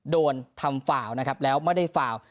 โดนทำฟาวนะครับแล้วไม่ได้ฝ่า